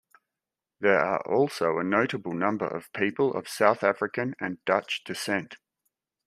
There are also a notable number of people of South African and Dutch descent.